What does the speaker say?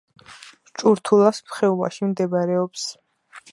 ჭურთულას ხეობაში მდებარეობს.